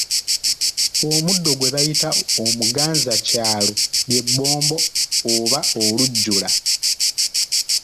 Omuddo gwe bayita omuganzakyalo ly'ebbombo oba olujjula